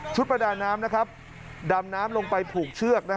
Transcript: ประดาน้ำดำน้ำลงไปผูกเชือก